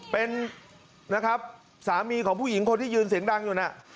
เป็นนะครับสามีของผู้หญิงคนที่ยืนเสียงดังอยู่น่ะ